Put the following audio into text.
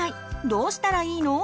どうしたらいいの？